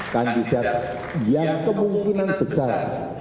kandidat yang kemungkinan besar